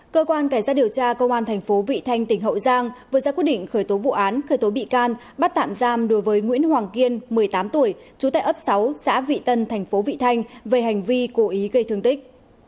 cơ quan cảnh sát điều tra công an thành phố vị thanh tỉnh hậu giang vừa ra quyết định khởi tố vụ án khởi tố bị can bắt tạm giam đối với nguyễn hoàng kiên một mươi tám tuổi trú tại ấp sáu xã vị tân thành phố vị thanh về hành vi cố ý gây thương tích